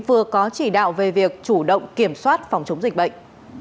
vừa có chỉ đạo về việc chủ động kiểm soát phòng chống dịch bệnh